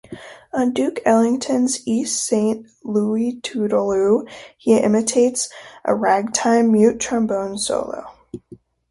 On Duke Ellington's "East Saint Louis Toodle-oo", he imitates a ragtime mute-trombone solo.